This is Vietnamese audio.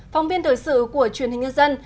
phóng viên thời sự của truyền hình nhân dân